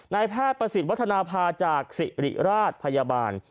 นายแพทย์ประสิทธิ์วัฒนภาจากสิริราชพยาบาล